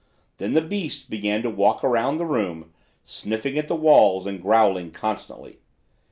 Then the beast began to walk around the room, sniffing at the walls and growling constantly.